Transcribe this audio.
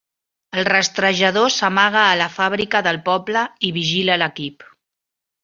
El rastrejador s'amaga a la fàbrica del poble i vigila l'equip.